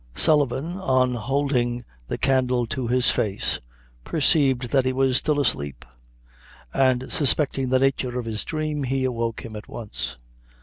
Sullivan on holding the candle to his face, perceived that he was still asleep; and suspecting the nature of his dream, he awoke him at once.